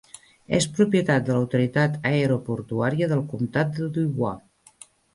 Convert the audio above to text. És propietat de l'autoritat aeroportuària del comtat de Dubois.